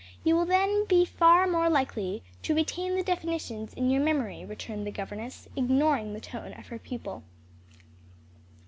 You will then be far more likely to retain the definitions in your memory," returned the governess, ignoring the tone of her pupil.